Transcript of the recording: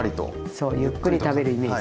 そうゆっくり食べるイメージ。